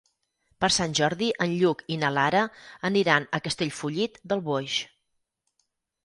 Per Sant Jordi en Lluc i na Lara aniran a Castellfollit del Boix.